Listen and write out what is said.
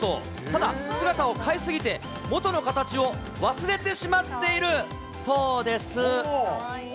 ただ、姿を変えすぎて、元の形を忘れてしまっているそうです。